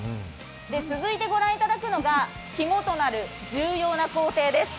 続いてご覧いただくのが肝となる重要な工程です。